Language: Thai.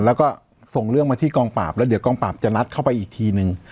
แล้วก็ส่งเรื่องมาที่กองปราบแล้วเดี๋ยวกองปราบจะนัดเข้าไปอีกทีนึง